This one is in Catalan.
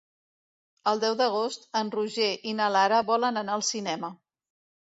El deu d'agost en Roger i na Lara volen anar al cinema.